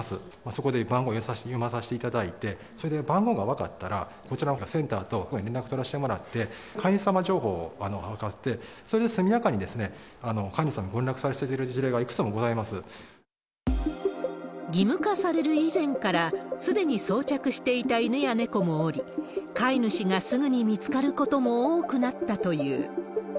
そこで番号を読まさしていただいて、それで番号が分かったら、こちらのほうがセンターと連絡取らしてもらって、飼い主様情報が分かって、それで速やかに飼い主さんにご連絡させていただいてい義務化される以前から、すでに装着していた犬や猫もおり、飼い主がすぐに見つかることも多くなったという。